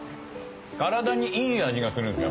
体にいい味がするんですよ